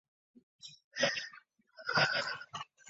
隆吻海蠋鱼的图片